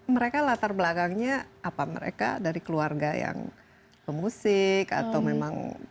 mereka latar belakangnya apa mereka dari keluarga yang pemusik atau memang